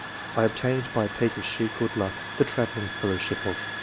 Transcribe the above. I obtained, by a piece of sheer good luck, the travelling fellow ship of